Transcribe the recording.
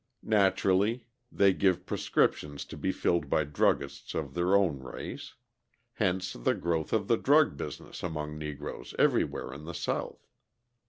Naturally they give prescriptions to be filled by druggists of their own race; hence the growth of the drug business among Negroes everywhere in the South.